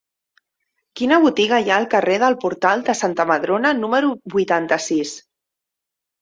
Quina botiga hi ha al carrer del Portal de Santa Madrona número vuitanta-sis?